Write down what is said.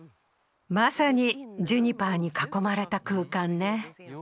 まさにジュニパーに囲まれた空間ね。